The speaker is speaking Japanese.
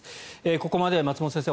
ここまで松本先生